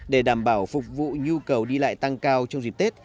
để đảm bảo phục vụ nhu cầu đi lại tăng cao trong dịp tết